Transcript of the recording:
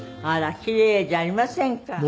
あらキレイじゃありませんか。